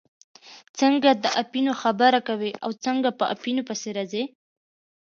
څنګه د اپینو خبره کوئ او څنګه په اپینو پسې راځئ.